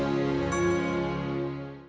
jangan lupa like subscribe dan share ya